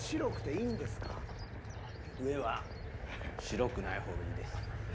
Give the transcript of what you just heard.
上は白くない方がいいです。